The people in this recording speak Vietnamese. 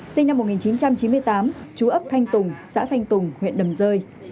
sinh năm một nghìn chín trăm chín mươi tám chú ấp thanh tùng xã thanh tùng huyện đầm rơi